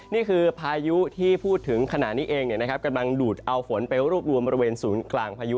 นี่คือพายุที่พูดถึงขณะนี้เองกำลังดูดเอาฝนไปรวบรวมบริเวณศูนย์กลางพายุ